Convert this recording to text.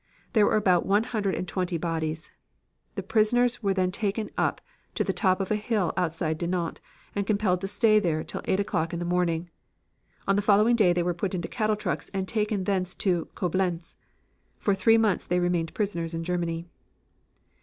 There were about one hundred and twenty bodies. The prisoners were then taken up to the top of a hill outside Dinant and compelled to stay there till 8 o'clock in the morning. On the following day they were put into cattle trucks and taken thence to Coblenz. For three months they remained prisoners in Germany.